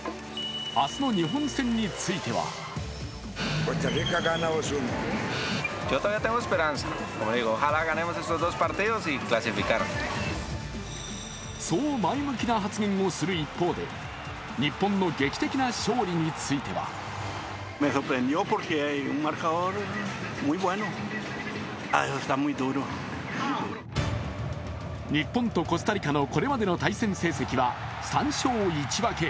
明日の日本戦についてはそう前向きな発言をする一方で日本の劇的な勝利については日本とコスタリカのこれまでの対戦成績は３勝１分け。